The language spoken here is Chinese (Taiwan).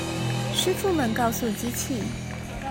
師傅們告訴機器